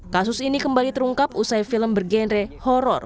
kasus ini kembali terungkap usai film bergenre horror